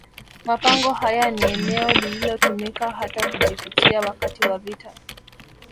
Mapango haya ni eneo lililotumika hata kujifichia wakati wa vita